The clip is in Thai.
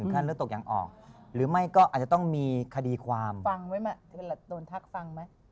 ฟังไว้ดูว่าโดนทักฟังไหม